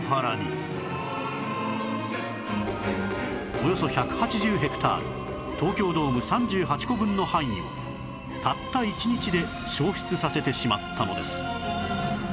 およそ１８０ヘクタール東京ドーム３８個分の範囲をたった１日で焼失させてしまったのです